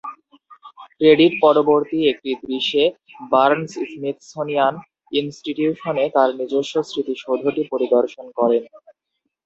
Credit পরবর্তী একটি দৃশ্যে, বার্নস স্মিথসোনিয়ান ইনস্টিটিউশনে তাঁর নিজস্ব স্মৃতিসৌধটি পরিদর্শন করেন।